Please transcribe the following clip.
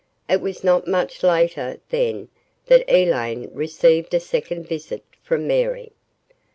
It was not much later, then, that Elaine received a second visit from Mary.